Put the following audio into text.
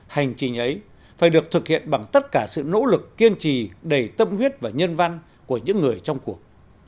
hành trình ấy phải được thực hiện bằng tất cả sự nỗ lực kiên trì đầy tâm huyết và nhân văn của những người trong cuộc